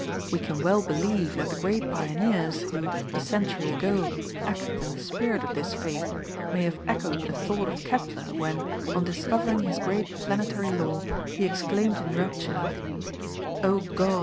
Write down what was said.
We can well believe that the great pioneers, who, a century ago, acted in the spirit of this faith may have echoed the thought of Kepler when, on discovering his great planetary law, he exclaimed in rapture: 'O God!